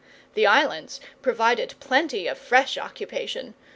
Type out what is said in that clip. The islands provided plenty of fresh occupation.